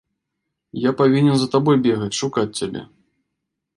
Я павінен за табой бегаць, шукаць цябе.